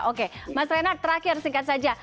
oke mas renard terakhir singkat saja